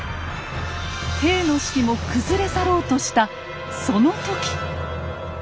兵の士気も崩れ去ろうとしたその時。